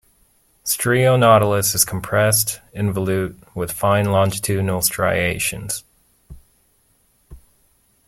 "Strionautilus" is compressed, involute, with fine longitudinal striations.